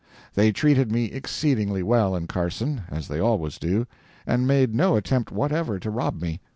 They treated me exceedingly well in Carson (as they always do) and made no attempt whatever to rob me.